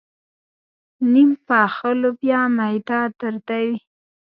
نيم پخه لوبیا معده دردوي.